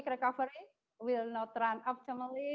tidak akan berjalan dengan optimal